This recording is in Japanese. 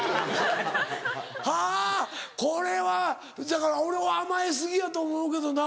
はぁこれはだから俺は甘え過ぎやと思うけどな。